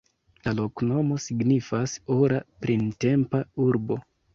La loknomo signifas: "ora printempa urbo".